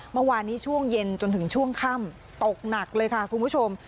เมื่อวานนี้ช่วงเย็นจนถึงช่วงค่ำตกหนักเลยค่ะคุณผู้ชม